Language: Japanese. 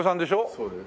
そうです。